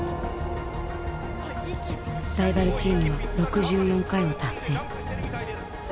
ライバルチームは６４回を達成。